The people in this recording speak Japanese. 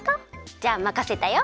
じゃあまかせたよ。